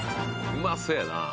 うまそうやな。